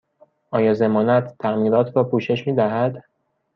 آیا ضمانت تعمیرات را پوشش می دهد؟